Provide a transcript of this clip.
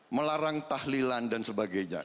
melarang tahlilan dan sebagainya